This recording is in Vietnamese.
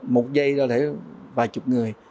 một giây đó thể vài chục người